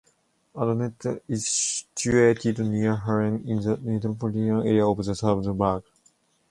Adnet is situated near Hallein in the metropolitan area of Salzburg.